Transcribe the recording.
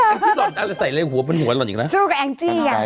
อันนี้ใส่อะไรหัวเป็นหัวอร่อยอยู่นะ